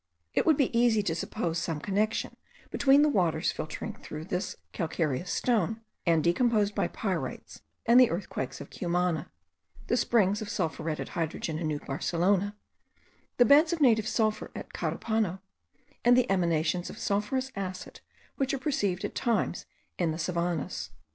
It would be easy to suppose some connexion between the waters filtering through this calcareous stone, and decomposed by pyrites and the earthquakes of Cumana, the springs of sulphuretted hydrogen in New Barcelona, the beds of native sulphur at Carupano, and the emanations of sulphurous acid which are perceived at times in the savannahs.